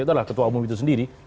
itu adalah ketua umum itu sendiri